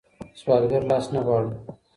سوالګر لاس نه غواړو.